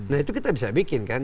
nah itu kita bisa bikin kan